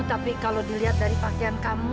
tapi kalau dilihat dari pakaian kamu